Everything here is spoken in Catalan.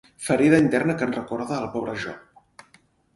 Ferida interna que ens recorda el pobre Job.